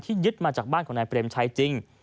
ยึดมาจากบ้านของนายเปรมชัยจริง